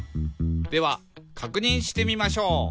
「ではかくにんしてみましょう」